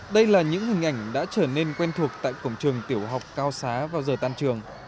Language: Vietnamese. đây là những hình ảnh đã trở nên quen thuộc tại cổng trường tiểu học cao xá vào giờ tan trường